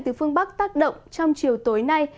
từ phương bắc tác động trong chiều tối nay